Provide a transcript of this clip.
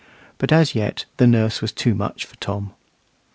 But as yet the nurse was too much for Tom.